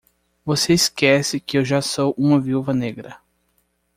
Você esquece que eu já sou uma viúva negra.